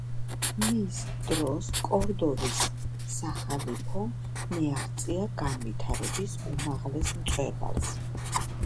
მის დროს კორდოვის სახალიფომ მიაღწია განვითარების უმაღლეს მწვერვალს.